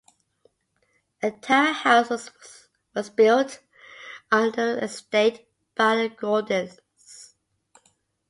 A tower house was built on the estate by the Gordons.